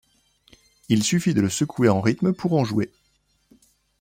Il suffit de le secouer en rythme pour en jouer.